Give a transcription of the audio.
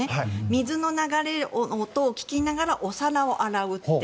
水の流れる音を聞きながらお皿を洗うって。